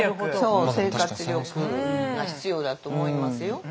そう生活力が必要だと思いますよ。